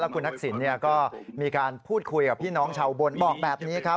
คุณทักษิณก็มีการพูดคุยกับพี่น้องชาวอุบลบอกแบบนี้ครับ